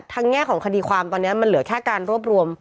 แง่ของคดีความตอนนี้มันเหลือแค่การรวบรวม